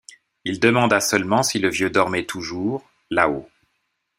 Il demanda seulement si le vieux dormait toujours, là-haut.